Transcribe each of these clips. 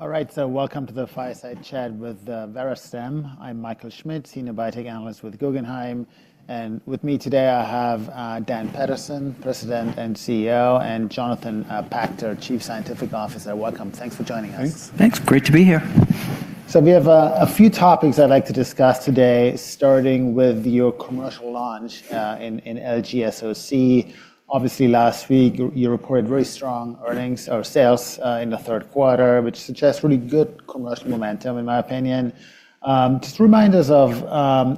All right, so welcome to the Fireside Chat with Verastem. I'm Michael Schmidt, Senior Biotech Analyst with Guggenheim. And with me today, I have Dan Paterson, President and CEO, and Jonathan Pachter, Chief Scientific Officer. Welcome. Thanks for joining us. Thanks. Great to be here. We have a few topics I'd like to discuss today, starting with your commercial launch in LGSC. Obviously, last week, you reported very strong earnings or sales in the third quarter, which suggests really good commercial momentum, in my opinion. Just remind us of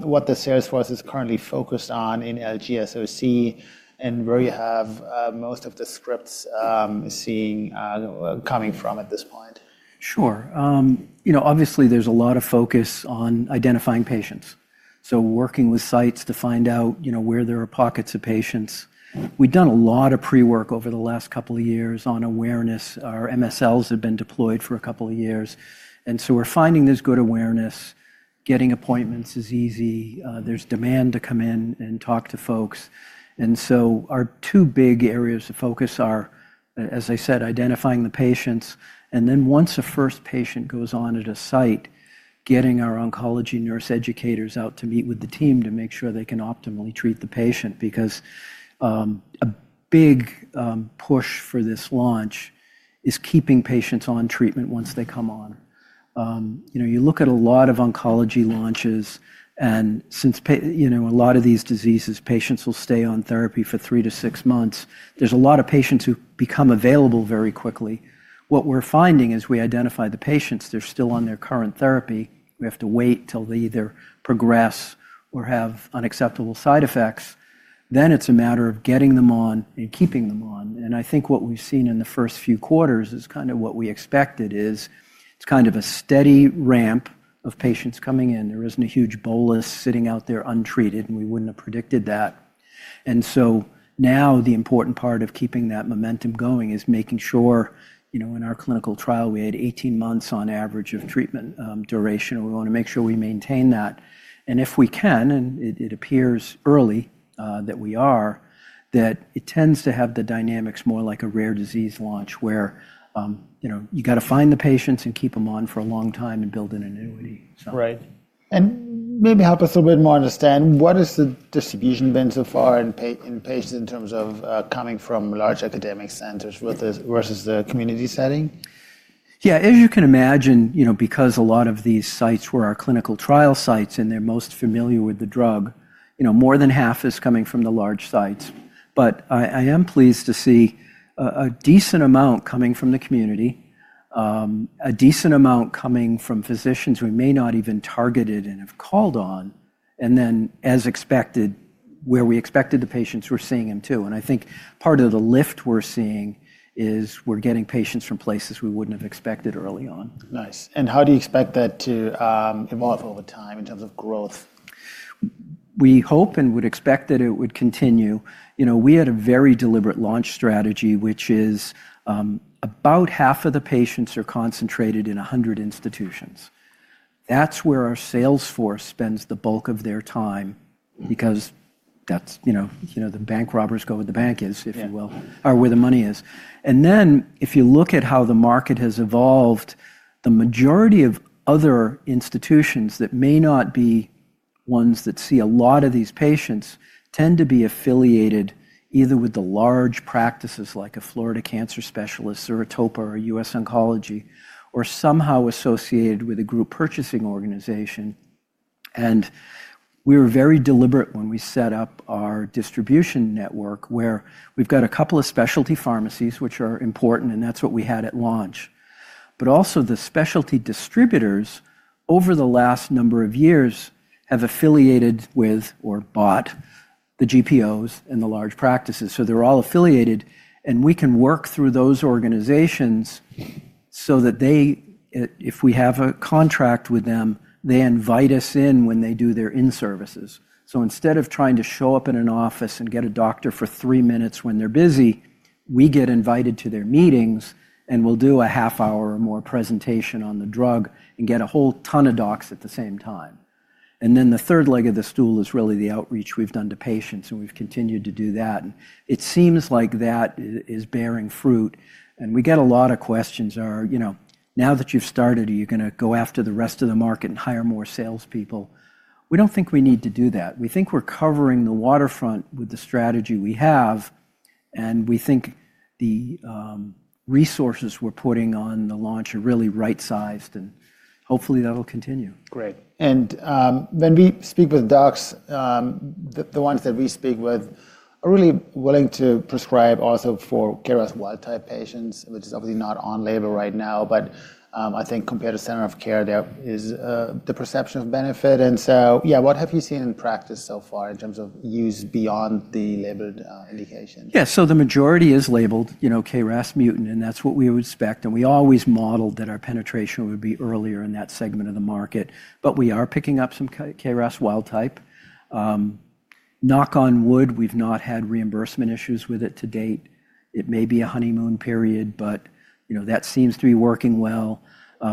what the Salesforce is currently focused on in LGSC and where you have most of the scripts seeing coming from at this point. Sure. You know, obviously, there's a lot of focus on identifying patients. Working with sites to find out where there are pockets of patients. We've done a lot of pre-work over the last couple of years on awareness. Our MSLs have been deployed for a couple of years. You know, we're finding there's good awareness. Getting appointments is easy. There's demand to come in and talk to folks. Our two big areas of focus are, as I said, identifying the patients. Once a first patient goes on at a site, getting our oncology nurse educators out to meet with the team to make sure they can optimally treat the patient. Because a big push for this launch is keeping patients on treatment once they come on. You look at a lot of oncology launches. Since a lot of these diseases, patients will stay on therapy for three to six months. There is a lot of patients who become available very quickly. What we are finding as we identify the patients, they are still on their current therapy. We have to wait till they either progress or have unacceptable side effects. It is a matter of getting them on and keeping them on. I think what we have seen in the first few quarters is kind of what we expected, it is kind of a steady ramp of patients coming in. There is not a huge bolus sitting out there untreated, and we would not have predicted that. Now the important part of keeping that momentum going is making sure in our clinical trial, we had 18 months on average of treatment duration. We want to make sure we maintain that. If we can, and it appears early that we are, that it tends to have the dynamics more like a rare disease launch where you have to find the patients and keep them on for a long time and build an annuity. Right. Maybe help us a little bit more understand, what has the distribution been so far in patients in terms of coming from large academic centers versus the community setting? Yeah, as you can imagine, because a lot of these sites were our clinical trial sites and they're most familiar with the drug, more than half is coming from the large sites. I am pleased to see a decent amount coming from the community, a decent amount coming from physicians we may not even targeted and have called on. As expected, where we expected the patients, we're seeing them too. I think part of the lift we're seeing is we're getting patients from places we wouldn't have expected early on. Nice. How do you expect that to evolve over time in terms of growth? We hope and would expect that it would continue. We had a very deliberate launch strategy, which is about half of the patients are concentrated in 100 institutions. That's where our Salesforce spends the bulk of their time because that's the bank robbers go where the bank is, if you will, or where the money is. If you look at how the market has evolved, the majority of other institutions that may not be ones that see a lot of these patients tend to be affiliated either with the large practices like a Florida Cancer Specialists, or a TOPA, or US Oncology, or somehow associated with a group purchasing organization. We were very deliberate when we set up our distribution network where we've got a couple of specialty pharmacies, which are important, and that's what we had at launch. Also, the specialty distributors over the last number of years have affiliated with or bought the GPOs and the large practices. So they're all affiliated. We can work through those organizations so that if we have a contract with them, they invite us in when they do their in-services. Instead of trying to show up in an office and get a doctor for three minutes when they're busy, we get invited to their meetings and we'll do a half hour or more presentation on the drug and get a whole ton of docs at the same time. The third leg of the stool is really the outreach we've done to patients. We've continued to do that. It seems like that is bearing fruit. We get a lot of questions, now that you've started, are you going to go after the rest of the market and hire more salespeople? We don't think we need to do that. We think we're covering the waterfront with the strategy we have. We think the resources we're putting on the launch are really right-sized. Hopefully, that'll continue. Great. When we speak with docs, the ones that we speak with are really willing to prescribe also for KRAS wild-type patients, which is obviously not on label right now. I think compared to center of care, there is the perception of benefit. What have you seen in practice so far in terms of use beyond the labeled indication? Yeah, so the majority is labeled KRAS mutant. That is what we would expect. We always modeled that our penetration would be earlier in that segment of the market. We are picking up some KRAS wild-type. Knock on wood, we've not had reimbursement issues with it to date. It may be a honeymoon period, but that seems to be working well.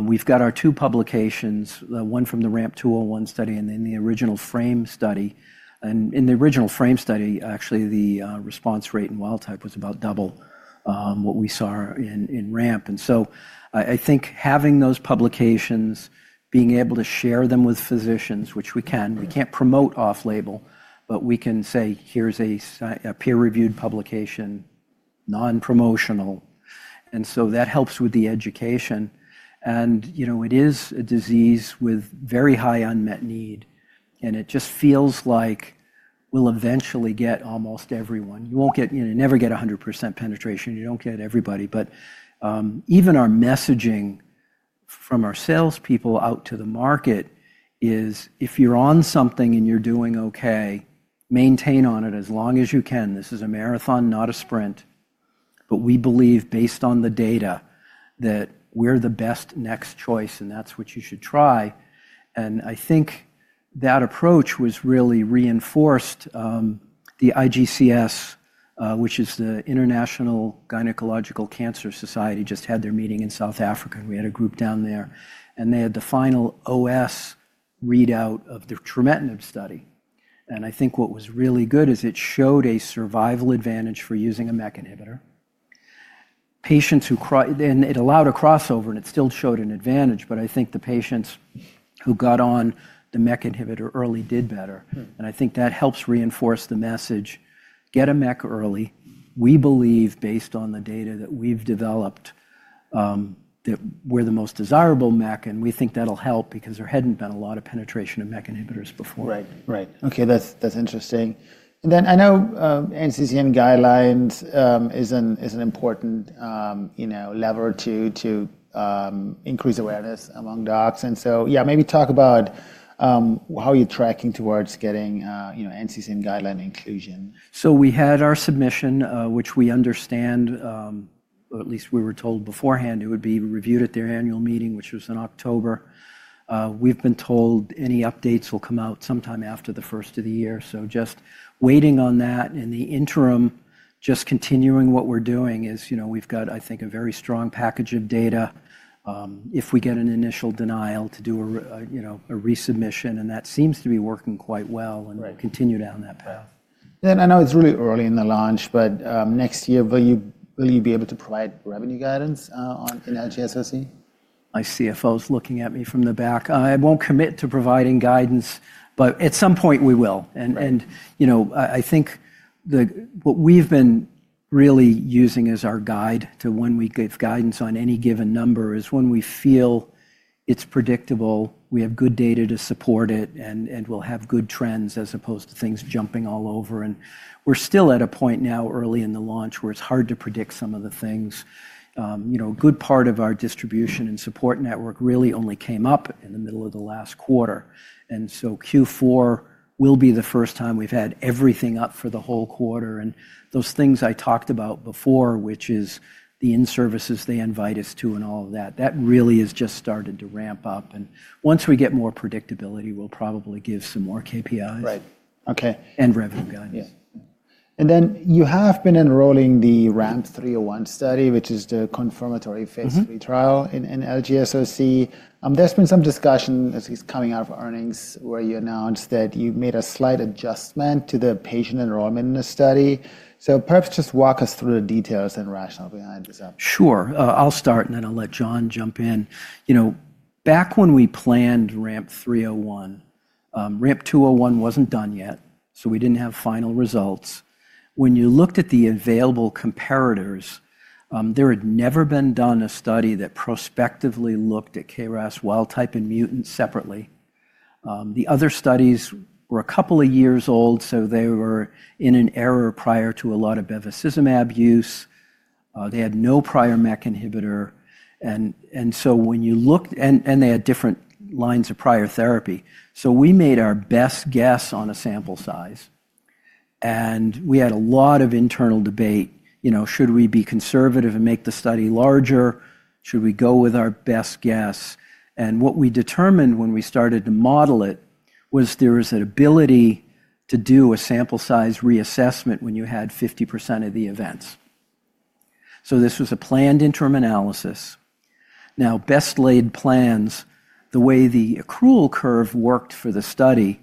We've got our two publications, one from the RAMP 201 study and then the original FRAME study. In the original FRAME study, actually, the response rate in wild-type was about double what we saw in RAMP. I think having those publications, being able to share them with physicians, which we can, we can't promote off-label, but we can say, here's a peer-reviewed publication, non-promotional. That helps with the education. It is a disease with very high unmet need. It just feels like we'll eventually get almost everyone. You won't ever get 100% penetration. You don't get everybody. Even our messaging from our salespeople out to the market is, if you're on something and you're doing OK, maintain on it as long as you can. This is a marathon, not a sprint. We believe, based on the data, that we're the best next choice. That's what you should try. I think that approach was really reinforced. The IGCS, which is the International Gynecological Cancer Society, just had their meeting in South Africa. We had a group down there. They had the final OS readout of the trametinib study. I think what was really good is it showed a survival advantage for using a MEK inhibitor. It allowed a crossover, and it still showed an advantage. I think the patients who got on the MEK inhibitor early did better. I think that helps reinforce the message. Get a MEK early. We believe, based on the data that we've developed, that we're the most desirable MEK. We think that'll help because there hadn't been a lot of penetration of MEK inhibitors before. Right. Right. OK, that's interesting. I know NCCN guidelines is an important lever to increase awareness among docs. Yeah, maybe talk about how you're tracking towards getting NCCN guideline inclusion. We had our submission, which we understand, or at least we were told beforehand, it would be reviewed at their annual meeting, which was in October. We've been told any updates will come out sometime after the first of the year. Just waiting on that. In the interim, just continuing what we're doing is we've got, I think, a very strong package of data if we get an initial denial to do a resubmission. That seems to be working quite well. We'll continue down that path. I know it's really early in the launch. Next year, will you be able to provide revenue guidance in LGSC? My CFO's looking at me from the back. I won't commit to providing guidance. At some point, we will. I think what we've been really using as our guide to when we give guidance on any given number is when we feel it's predictable, we have good data to support it, and we'll have good trends as opposed to things jumping all over. We're still at a point now early in the launch where it's hard to predict some of the things. A good part of our distribution and support network really only came up in the middle of the last quarter. Q4 will be the first time we've had everything up for the whole quarter. Those things I talked about before, which is the in-services they invite us to and all of that, that really has just started to ramp up. Once we get more predictability, we'll probably give some more KPIs and revenue guidance. You have been enrolling the RAMP 301 study, which is the confirmatory phase 3 trial in LGSC. There has been some discussion as it is coming out of earnings where you announced that you made a slight adjustment to the patient enrollment in the study. Perhaps just walk us through the details and rationale behind this update. Sure. I'll start. Then I'll let John jump in. Back when we planned RAMP 301, RAMP 201 was not done yet. We did not have final results. When you looked at the available comparators, there had never been a study that prospectively looked at KRAS wild-type and mutant separately. The other studies were a couple of years old. They were in an era prior to a lot of bevacizumab use. They had no prior MEK inhibitor. When you looked, they had different lines of prior therapy. We made our best guess on a sample size. We had a lot of internal debate. Should we be conservative and make the study larger? Should we go with our best guess? What we determined when we started to model it was there is an ability to do a sample size reassessment when you had 50% of the events. This was a planned interim analysis. Best-laid plans, the way the accrual curve worked for the study,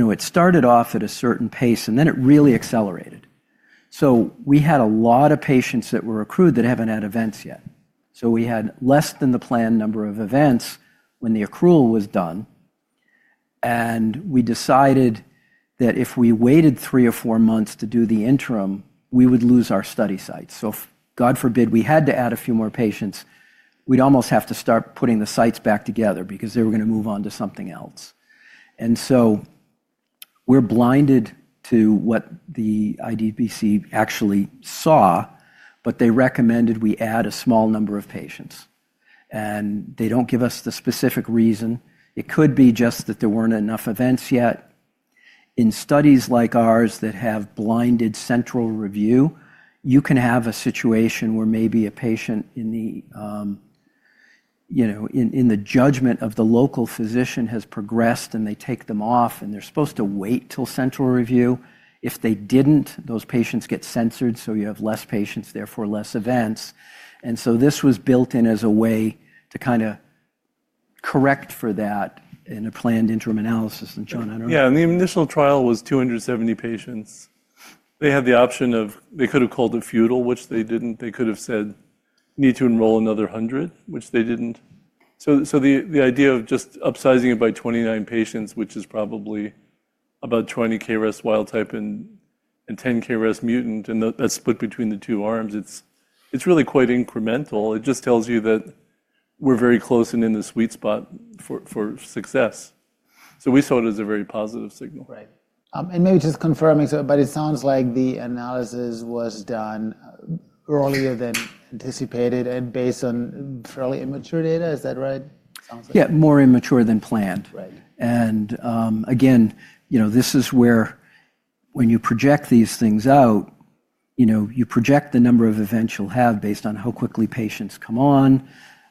it started off at a certain pace. It really accelerated. We had a lot of patients that were accrued that have not had events yet. We had less than the planned number of events when the accrual was done. We decided that if we waited three or four months to do the interim, we would lose our study sites. God forbid we had to add a few more patients, we would almost have to start putting the sites back together because they were going to move on to something else. We're blinded to what the IDBC actually saw. They recommended we add a small number of patients. They do not give us the specific reason. It could be just that there were not enough events yet. In studies like ours that have blinded central review, you can have a situation where maybe a patient in the judgment of the local physician has progressed. They take them off. They are supposed to wait till central review. If they did not, those patients get censored. You have fewer patients, therefore fewer events. This was built in as a way to kind of correct for that in a planned interim analysis. John, I do not know. Yeah, the initial trial was 270 patients. They had the option of they could have called it futile, which they didn't. They could have said, need to enroll another 100, which they didn't. The idea of just upsizing it by 29 patients, which is probably about 20 KRAS wild-type and 10 KRAS mutant, and that's split between the two arms, it's really quite incremental. It just tells you that we're very close and in the sweet spot for success. We saw it as a very positive signal. Right. Maybe just confirming, but it sounds like the analysis was done earlier than anticipated and based on fairly immature data. Is that right? Yeah, more immature than planned. Again, this is where when you project these things out, you project the number of events you'll have based on how quickly patients come on,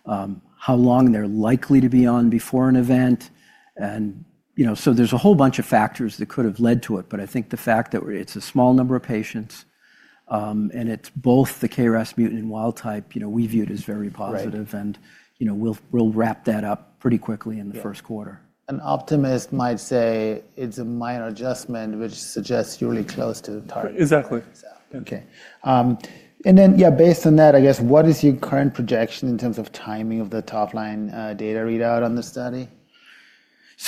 how long they're likely to be on before an event. There is a whole bunch of factors that could have led to it. I think the fact that it's a small number of patients and it's both the KRAS mutant and wild-type, we view it as very positive. We'll wrap that up pretty quickly in the first quarter. An optimist might say it's a minor adjustment, which suggests you're really close to the target. Exactly. OK. Yeah, based on that, I guess, what is your current projection in terms of timing of the top line data readout on the study?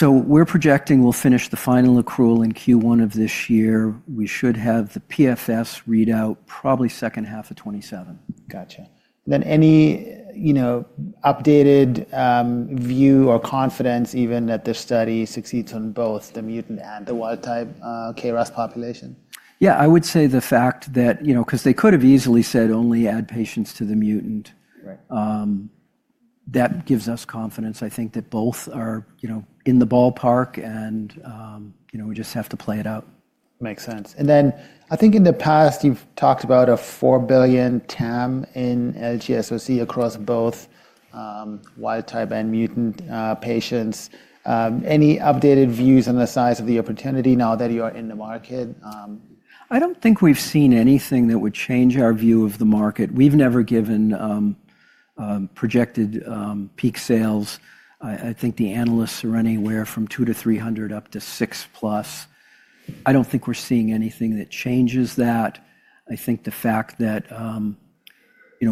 We're projecting we'll finish the final accrual in Q1 of this year. We should have the PFS readout probably second half of 2027. Gotcha. Any updated view or confidence even that this study succeeds on both the mutant and the wild-type KRAS population? Yeah, I would say the fact that because they could have easily said only add patients to the mutant. That gives us confidence. I think that both are in the ballpark. We just have to play it out. Makes sense. I think in the past, you've talked about a $4 billion TAM in LGSC across both wild-type and mutant patients. Any updated views on the size of the opportunity now that you are in the market? I don't think we've seen anything that would change our view of the market. We've never given projected peak sales. I think the analysts are running where from $200 million-$300 million up to $600 million plus. I don't think we're seeing anything that changes that. I think the fact that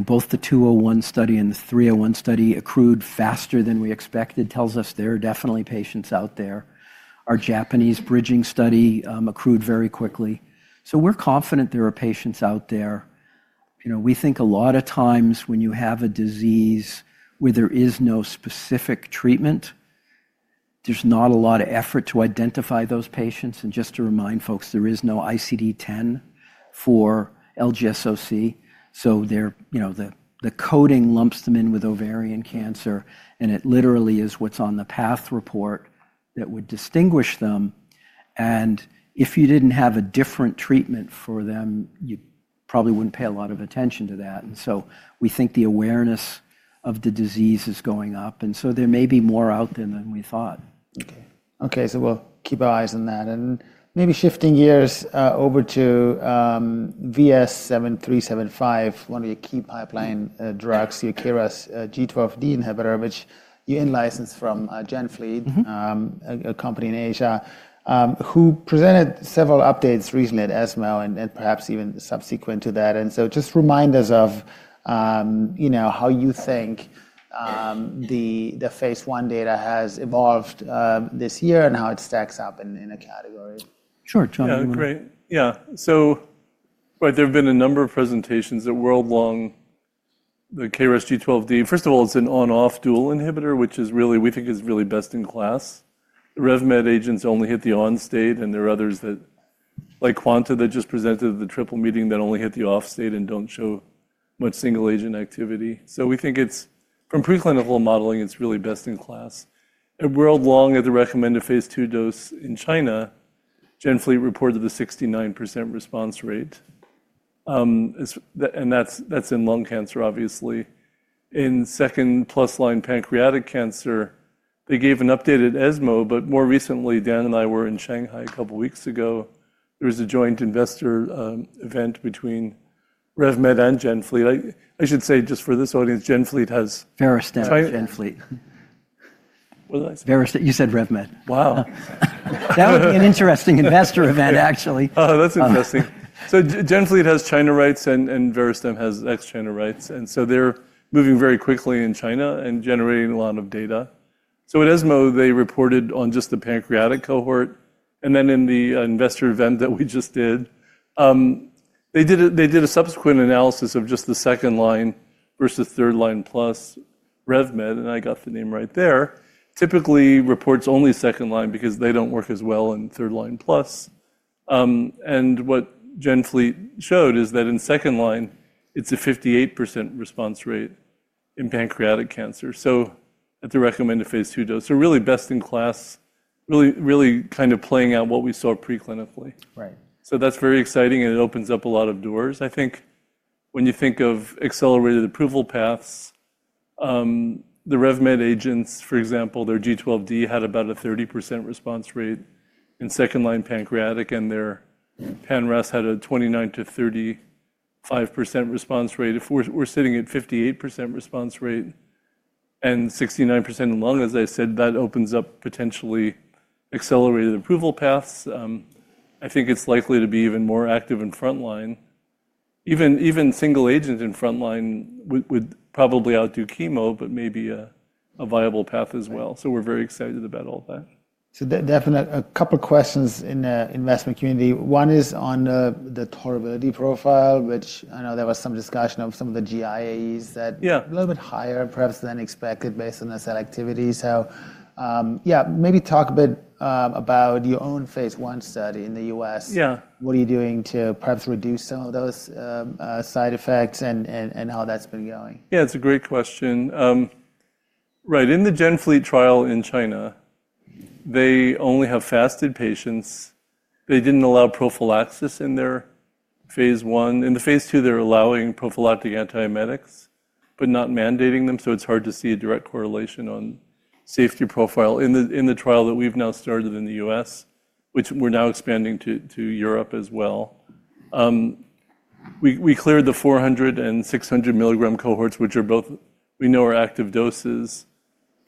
both the 201 study and the 301 study accrued faster than we expected tells us there are definitely patients out there. Our Japanese bridging study accrued very quickly. We are confident there are patients out there. We think a lot of times when you have a disease where there is no specific treatment, there's not a lot of effort to identify those patients. Just to remind folks, there is no ICD-10 for LGSC. The coding lumps them in with ovarian cancer. It literally is what's on the PATH report that would distinguish them. If you did not have a different treatment for them, you probably would not pay a lot of attention to that. We think the awareness of the disease is going up. There may be more out there than we thought. OK. OK, so we'll keep our eyes on that. Maybe shifting gears over to VS-7375, one of your key pipeline drugs, your KRAS G12D inhibitor, which you in-licensed from GenFleet, a company in Asia, who presented several updates recently at ESMO and perhaps even subsequent to that. Just remind us of how you think the phase I data has evolved this year and how it stacks up in a category. Sure, John. Yeah, great. Yeah. There have been a number of presentations that were along the KRAS G12D. First of all, it's an on-off dual inhibitor, which we think is really best in class. RevMed agents only hit the on state. There are others, like Quanta, that just presented at the triple meeting that only hit the off state and do not show much single agent activity. We think from preclinical modeling, it's really best in class. Along, at the recommended phase II dose in China, GenFleet reported the 69% response rate. That's in lung cancer, obviously. In second plus line pancreatic cancer, they gave an update at ASMO. More recently, Dan and I were in Shanghai a couple of weeks ago. There was a joint investor event between RevMed and GenFleet. I should say, just for this audience, GenFleet has. Verostem. GenFleet. What did I say? You said RevMed. Wow. That would be an interesting investor event, actually. Oh, that's interesting. GenFleet has China rights. Verastem has ex-China rights. They're moving very quickly in China and generating a lot of data. At ASMO, they reported on just the pancreatic cohort. In the investor event that we just did, they did a subsequent analysis of just the second line versus third line plus RevMed. I got the name right there. Typically, reports only second line because they don't work as well in third line plus. What GenFleet showed is that in second line, it's a 58% response rate in pancreatic cancer at the recommended phase II dose, so really best in class, really kind of playing out what we saw preclinically. That's very exciting. It opens up a lot of doors. I think when you think of accelerated approval paths, the RevMed agents, for example, their G12D had about a 30% response rate in second line pancreatic. And their PanRAS had a 29%-35% response rate. We're sitting at 58% response rate and 69% in lung. As I said, that opens up potentially accelerated approval paths. I think it's likely to be even more active in front line. Even single agent in front line would probably outdo chemo but maybe a viable path as well. So we're very excited about all that. A couple of questions in the investment community. One is on the tolerability profile, which I know there was some discussion of some of the GIAs that are a little bit higher perhaps than expected based on the selectivity. Maybe talk a bit about your own phase I study in the U.S. What are you doing to perhaps reduce some of those side effects and how that's been going? Yeah, it's a great question. Right, in the GenFleet trial in China, they only have fasted patients. They didn't allow prophylaxis in their phase I. In the phase II, they're allowing prophylactic antiemetics but not mandating them. It's hard to see a direct correlation on safety profile. In the trial that we've now started in the U.S., which we're now expanding to Europe as well, we cleared the 400 mg and 600 mg cohorts, which are both we know are active doses.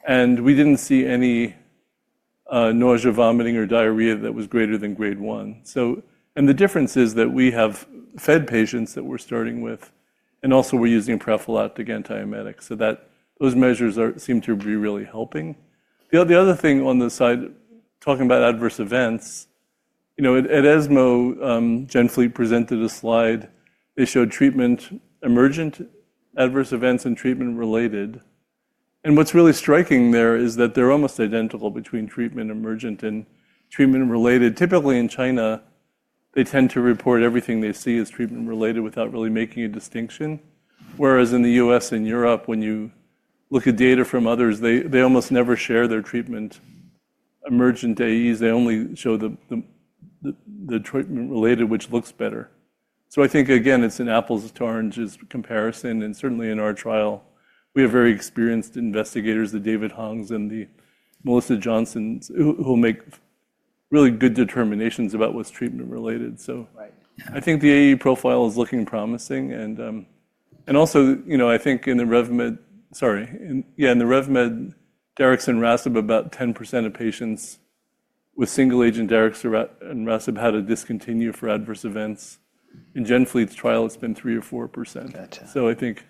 We didn't see any nausea, vomiting, or diarrhea that was greater than grade 1. The difference is that we have fed patients that we're starting with. Also, we're using a prophylactic antiemetic. Those measures seem to be really helping. The other thing on the side talking about adverse events, at ASMO, GenFleet presented a slide. They showed treatment emergent adverse events and treatment related. What's really striking there is that they're almost identical between treatment emergent and treatment related. Typically, in China, they tend to report everything they see as treatment related without really making a distinction. Whereas in the U.S. and Europe, when you look at data from others, they almost never share their treatment emergent AEs. They only show the treatment related, which looks better. I think, again, it's an apples to oranges comparison. Certainly, in our trial, we have very experienced investigators, the David Hongs and the Melissa Johnson, who will make really good determinations about what's treatment related. I think the AE profile is looking promising. Also, I think in the RevMed, sorry, yeah, in the RevMed, Darix and Raseb, about 10% of patients with single agent Darix and Raseb had to discontinue for adverse events. In GenFleet's trial, it's been 3% or 4%. I think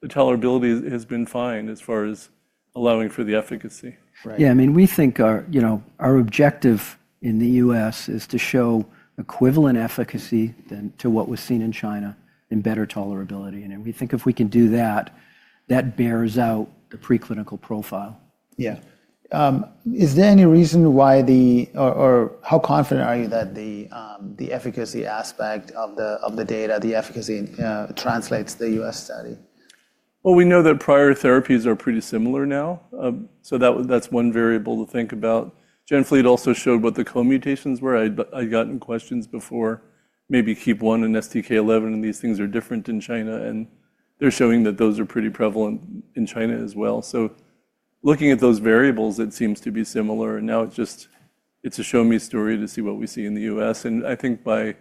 the tolerability has been fine as far as allowing for the efficacy. Yeah, I mean, we think our objective in the U.S. is to show equivalent efficacy to what was seen in China in better tolerability. And we think if we can do that, that bears out the preclinical profile. Yeah. Is there any reason why or how confident are you that the efficacy aspect of the data, the efficacy, translates to the U.S. study? We know that prior therapies are pretty similar now. That is one variable to think about. GenFleet also showed what the co-mutations were. I'd gotten questions before, maybe keep one in STK11. These things are different in China. They are showing that those are pretty prevalent in China as well. Looking at those variables, it seems to be similar. Now it is just a show-me story to see what we see in the U.S. I think by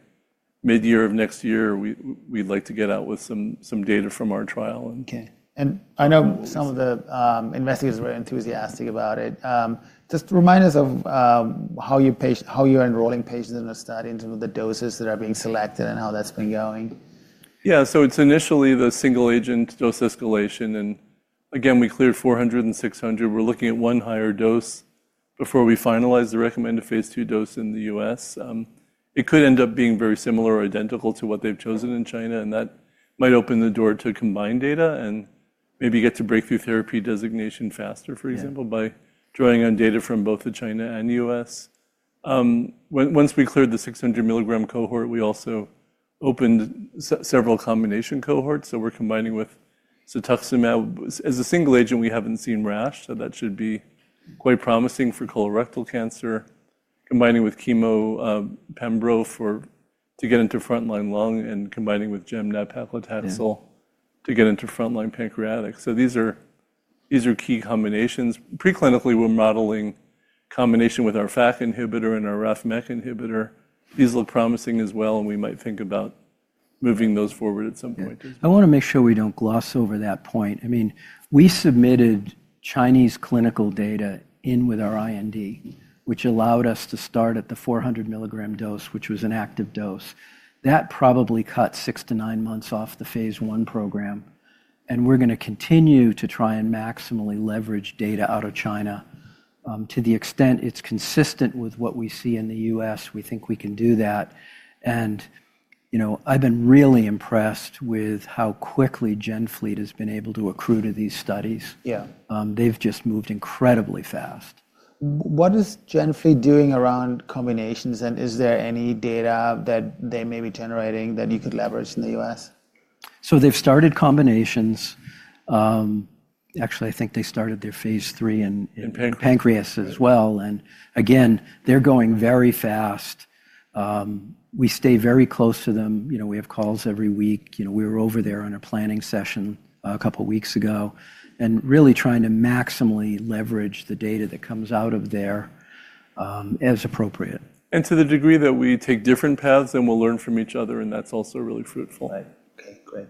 mid-year of next year, we would like to get out with some data from our trial. OK. I know some of the investigators were enthusiastic about it. Just remind us of how you're enrolling patients in the study in terms of the doses that are being selected and how that's been going. Yeah, so it's initially the single agent dose escalation. Again, we cleared 400 mg and 600 mg. We're looking at one higher dose before we finalize the recommended phase II dose in the U.S. It could end up being very similar or identical to what they've chosen in China. That might open the door to combined data and maybe get to breakthrough therapy designation faster, for example, by drawing on data from both China and the U.S. Once we cleared the 600 mg cohort, we also opened several combination cohorts. We're combining with Cetuximab. As a single agent, we haven't seen rash. That should be quite promising for colorectal cancer, combining with chemo pembrolizumab to get into front line lung, and combining with gemcitabine paclitaxel to get into front line pancreatic. These are key combinations. Preclinically, we're modeling combination with our FAK inhibitor and our RAS/MEK inhibitor. These look promising as well. We might think about moving those forward at some point. I want to make sure we don't gloss over that point. I mean, we submitted Chinese clinical data in with our IND, which allowed us to start at the 400 mg dose, which was an active dose. That probably cut six to nine months off the phase I program. We're going to continue to try and maximally leverage data out of China to the extent it's consistent with what we see in the U.S. We think we can do that. I have been really impressed with how quickly GenFleet has been able to accrue to these studies. They've just moved incredibly fast. What is GenFleet doing around combinations? Is there any data that they may be generating that you could leverage in the U.S.? They've started combinations. Actually, I think they started their phase III in pancreas as well. Again, they're going very fast. We stay very close to them. We have calls every week. We were over there on a planning session a couple of weeks ago and really trying to maximally leverage the data that comes out of there as appropriate. To the degree that we take different paths, then we'll learn from each other. That's also really fruitful. OK, great.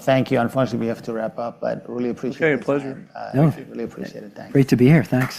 Thank you. Unfortunately, we have to wrap up. Really appreciate it. OK, pleasure. Really appreciate it. Thanks. Great to be here. Thanks.